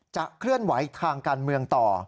เคลื่อนไหวทางการเมืองต่อ